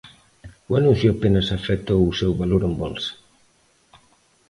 O anuncio apenas afectou o seu valor en bolsa.